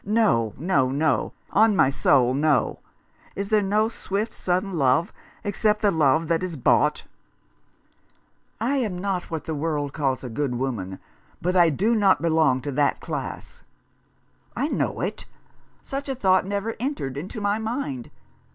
" No, no, no ! On my soul, no ! Is there no swift sudden love except the love that is bought ?" "I am not what the world calls a good woman, but I do not belong to that class." " I know it. Such a thought never entered into my mind.